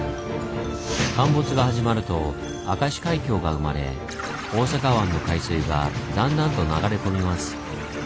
陥没が始まると明石海峡が生まれ大阪湾の海水がだんだんと流れ込みます。